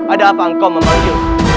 ada apa engkau memanggilku